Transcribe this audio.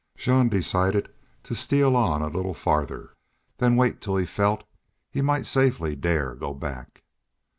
Jean decided to steal on a little farther, then wait till he felt he might safely dare go back.